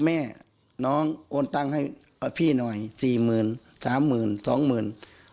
แม่น้องโอนตังค์ให้พี่หน่อยสี่หมื่นสามหมื่นสองหมื่น